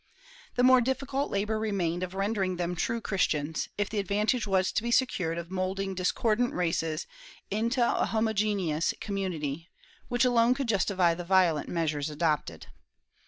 The more difficult labor remained of rendering them true Christians, if the advantage was to be secured of moulding discordant races into a homogeneous community, which alone could justify the violent measures adopted.